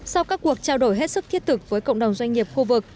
sau các cuộc trao đổi hết sức thiết thực với cộng đồng doanh nghiệp khu vực